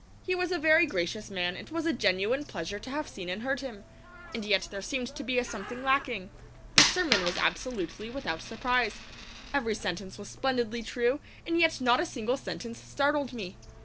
He was a very gracious man; it was a genuine pleasure to have seen and heard him. And yet there seemed to be a something lacking. The sermon was absolutely without surprise. Every sentence was splendidly true, and yet not a single sentence startled me.